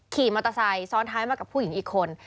ขี่มอเตอร์ไซค์ซ้อนท้ายมากับผู้หญิงอีกคน